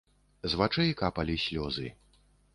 З вачэй капалі слёзы.